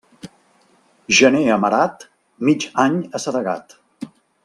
Gener amarat, mig any assedegat.